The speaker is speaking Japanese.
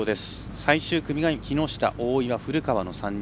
最終組が木下、大岩、古川の３人。